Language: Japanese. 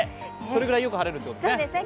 それくらいよく晴れるということですね。